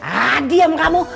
ah diam kamu